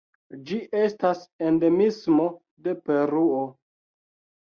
Ĝi estas endemismo de Peruo.